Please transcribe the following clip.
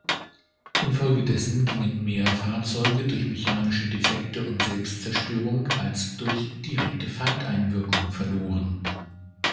Infolgedessen gingen mehr Fahrzeuge durch mechanische Defekte und Selbstzerstörung als durch direkte Feindeinwirkung verloren.